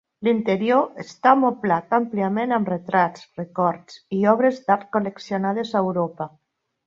L'interior està moblat àmpliament amb retrats, records i obres d'art col·leccionades a Europa.